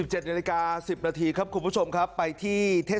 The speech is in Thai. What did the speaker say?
๑๗เหนือนาคา๑๐นาทีครับคุณผู้ผู้ชมครับไปที่เทศ